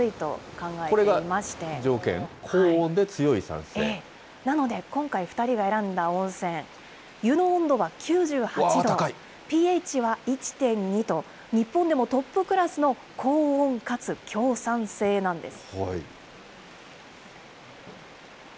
これが条件？なので、今回、２人が選んだ温泉、湯の温度は９８度、ｐＨは１．２と、日本でもトップクラスの高温かつ強酸性なんです。